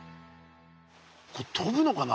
これとぶのかな？